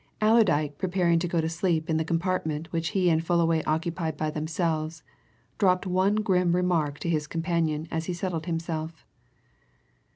Allerdyke, preparing to go to sleep in the compartment which he and Fullaway occupied by themselves, dropped one grim remark to his companion as he settled himself.